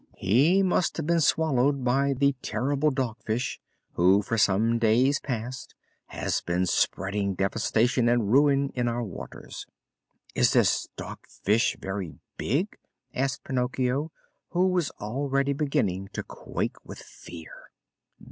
"He must have been swallowed by the terrible Dog Fish, who for some days past has been spreading devastation and ruin in our waters." "Is this Dog Fish very big?" asked Pinocchio, who was already beginning to quake with fear.